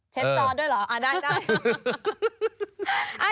เช็ดจอดด้วยเหรอ